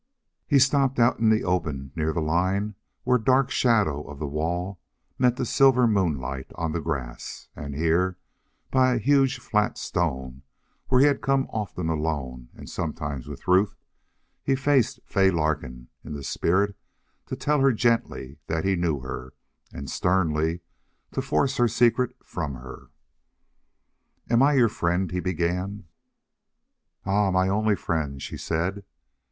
He stopped out in the open, near the line where dark shadow of the wall met the silver moonlight on the grass, and here, by a huge flat stone where he had come often alone and sometimes with Ruth, he faced Fay Larkin in the spirit to tell her gently that he knew her, and sternly to force her secret from her. "Am I your friend?" he began. "Ah! my only friend," she said.